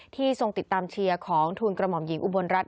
ทรงติดตามเชียร์ของทุนกระหม่อมหญิงอุบลรัฐ